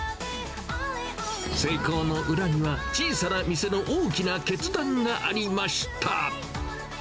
成功の裏には、小さな店の大きな決断がありました。